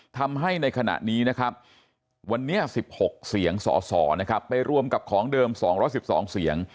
ทำให้ในขณะนี้วันนี้๑๖เสียงสอไปรวมกับของเดิม๒๑๒เสียง